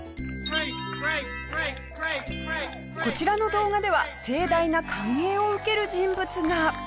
こちらの動画では盛大な歓迎を受ける人物が。